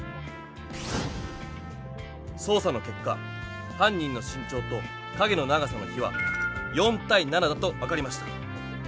捜査のけっか犯人の身長と影の長さの比は４対７だと分かりました。